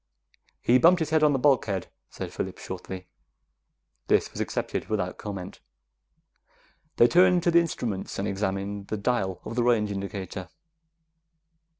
"He bumped his head on the bulkhead," said Phillips shortly. This was accepted without comment. They turned to the instruments and examined the dial of the range indicator.